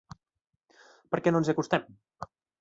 Per què no ens hi acostem?